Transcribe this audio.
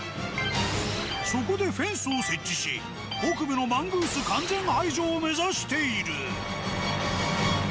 そこでフェンスを設置し北部のマングース完全排除を目指している。